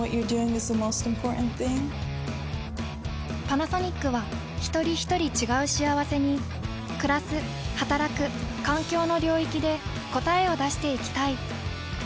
パナソニックはひとりひとり違う幸せにくらすはたらく環境の領域で答えを出していきたい。